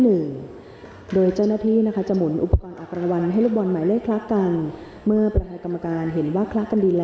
พร้อมแล้วจะออกรางวัลเล็กหน้าสามตัวครั้งที่สอง